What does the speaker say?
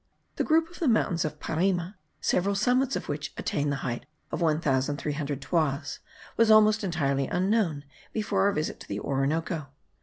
The group of the mountains of Parima, several summits of which attain the height of one thousand three hundred toises, was almost entirely unknown before our visit to the Orinoco.